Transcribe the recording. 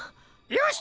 よし！